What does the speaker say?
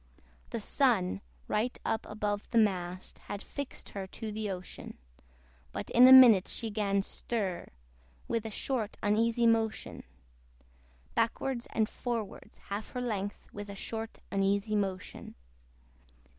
The Sun, right up above the mast, Had fixed her to the ocean: But in a minute she 'gan stir, With a short uneasy motion Backwards and forwards half her length With a short uneasy motion.